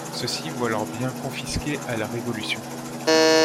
Ceux-ci voient leurs biens confisqués à la Révolution.